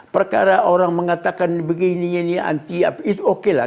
perkara orang mengatakan begini ini anti itu oke lah